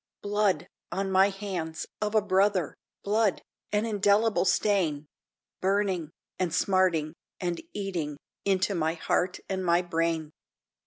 Blood, on my hands, of a brother! Blood an indelible stain! Burning, and smarting, and eating Into my heart and my brain.